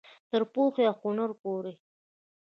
تر پوهې او هنره پورې.